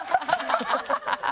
ハハハハ！